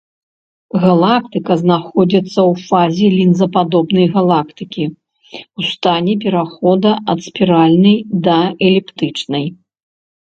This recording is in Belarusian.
Галактыка знаходзіцца ў фазе лінзападобнай галактыкі ў стане пераходу ад спіральнай да эліптычнай.